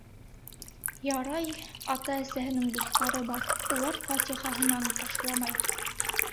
Ярай, ата-әсәһенең дуҫтары бар, улар фатихаһынан ташламай.